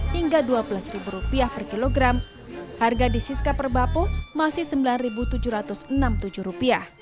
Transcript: hingga rp dua belas per kilogram harga di siska perbapo masih rp sembilan tujuh ratus enam puluh tujuh